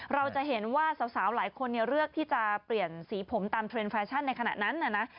เราจะเห็นว่าสาวหลายคนเลือกที่จะเปลี่ยนสีผมตามเทรนดแฟชั่นในขณะนั้นนะ